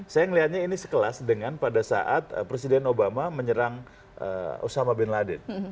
saya melihatnya ini sekelas dengan pada saat presiden obama menyerang osama bin laden